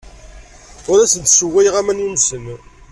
Ur asen-sswayeɣ aman yumsen.